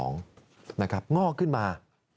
นะครับงอกขึ้นมา